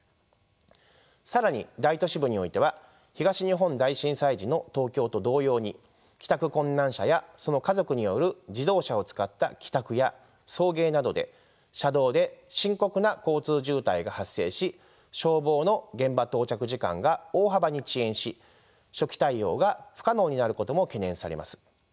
更に大都市部においては東日本大震災時の東京と同様に帰宅困難者やその家族による自動車を使った帰宅や送迎などで車道で深刻な交通渋滞が発生し消防の現場到着時間が大幅に遅延し初期対応が不可能になることも懸念されます。